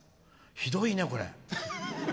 ひどいね、これ。